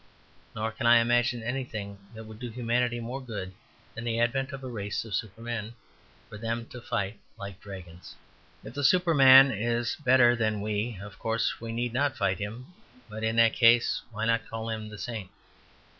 Nor can I imagine anything that would do humanity more good than the advent of a race of Supermen, for them to fight like dragons. If the Superman is better than we, of course we need not fight him; but in that case, why not call him the Saint?